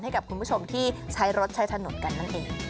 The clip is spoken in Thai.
ให้กับคุณผู้ชมที่ใช้รถใช้ถนนกันนั่นเอง